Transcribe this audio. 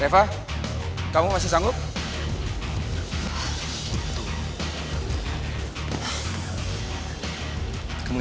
ya udah kita ke rumah